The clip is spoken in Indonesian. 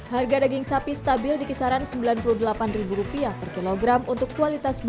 harga daging sapi stabil di kisaran sembilan puluh delapan ribu rupiah per kilogram untuk kualitas bagus